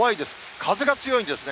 風が強いんですね。